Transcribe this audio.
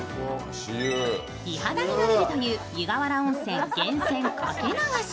美肌になれるという湯河原温泉源泉掛け流し。